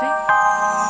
siapa yang tanya ceh